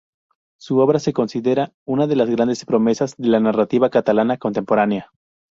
Su obra es considerada "una de las grandes promesas de la narrativa catalana contemporánea".